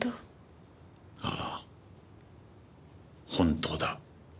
ああ本当だ。